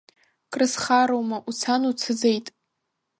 Крысхароума, уцан уцаӡеит.